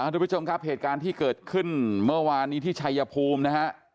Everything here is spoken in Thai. ดูพี่ชมครับเหตุการณ์ที่เกิดขึ้นเมื่อวานที่ไชยภูมิ